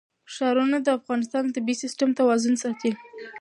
ښارونه د افغانستان د طبعي سیسټم توازن ساتي.